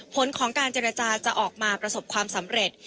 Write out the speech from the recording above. ผลของการเจรจาจะออกมาประสบความสำเร็จ